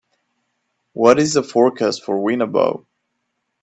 what is the forecast for Winnabow